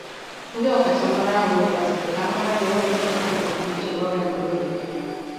ndị ọkachamara ahụ mèkwazịrị ka a mara na ọrịa ụkwaranta dịkwà iche n'ọrịa korona